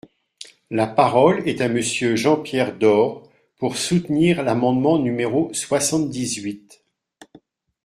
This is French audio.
La parole est à Monsieur Jean-Pierre Door, pour soutenir l’amendement numéro soixante-dix-huit.